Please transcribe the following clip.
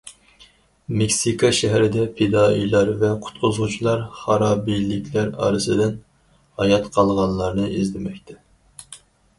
مېكسىكا شەھىرىدە پىدائىيلار ۋە قۇتقۇزغۇچىلار خارابىلىكلەر ئارىسىدىن ھايات قالغانلارنى ئىزدىمەكتە.